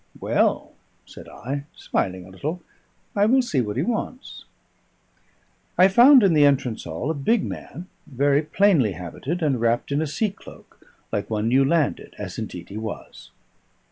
"Well," said I, smiling a little, "I will see what he wants." I found in the entrance hall a big man, very plainly habited, and wrapped in a sea cloak, like one new landed, as indeed he was.